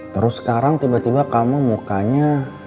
terus sekarang tiba tiba kamu mukanya